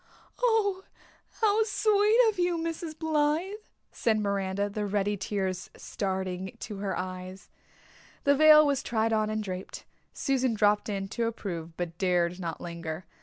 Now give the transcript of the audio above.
"Oh, how sweet of you, Mrs. Blythe," said Miranda, the ready tears starting to her eyes. The veil was tried on and draped. Susan dropped in to approve but dared not linger.